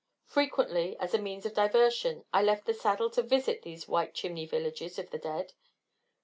Frequently, as a means of diversion, I left the saddle to visit these white chimney villages of the dead.